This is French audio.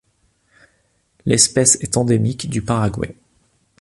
L'espèce est endémique du Paraguay.